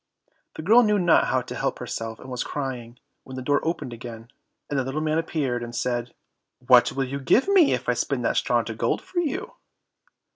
The girl knew not how to help herself, and was crying, when the door again opened, and the little man appeared, and said, "What will you give me if I spin that straw into gold for you?"